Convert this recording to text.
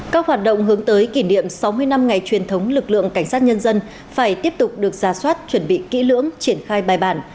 các hoạt động hướng tới kỷ niệm sáu mươi năm ngày truyền thống lực lượng cảnh sát nhân dân phải tiếp tục được ra soát chuẩn bị kỹ lưỡng triển khai bài bản